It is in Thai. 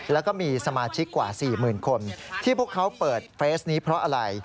แล้วก็มีสมาชิกกว่า๔๐๐๐คนที่พวกเขาเปิดเฟสนี้เพราะอะไร